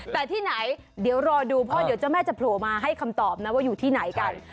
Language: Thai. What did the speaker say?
แต่ที่ไหนเดี๋ยวรอดูเพราะเดี๋ยวเจ้าแม่จะโผล่มาให้คำตอบนะว่าอยู่ที่ไหนกัน